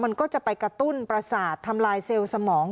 มันก็จะไปกระตุ้นประสาททำลายเซลล์สมอง